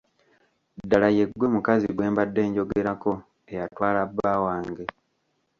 Ddala ye ggwe mukazi gwe mbadde njogerako eyatwala bba wange.